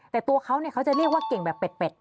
แต่ตัวเขาจะเรียกว่าเก่งแบบเป็ด